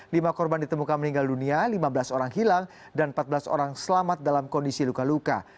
lima korban ditemukan meninggal dunia lima belas orang hilang dan empat belas orang selamat dalam kondisi luka luka